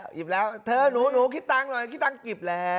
หยิบแล้วเธอหนูคิดตังค์หน่อยคิดตังค์หยิบแล้ว